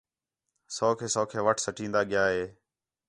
سَوکھے سَوکھے وَٹ سٹین٘دا ڳِیا ہِے